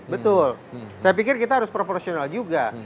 betul saya pikir kita harus proporsional juga